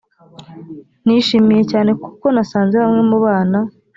nishimiye cyane kuko nasanze bamwe mu bana